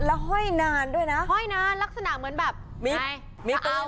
แล้วห้อยนานด้วยนะห้อยนานลักษณะเหมือนแบบมีมีเติม